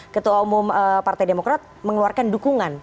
ketua umum partai demokrat mengeluarkan dukungan